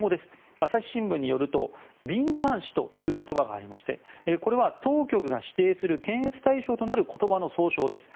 朝日新聞によると敏感詞という言葉がありましてこれは当局が指定する検閲対象となる言葉の総称です。